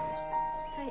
はい。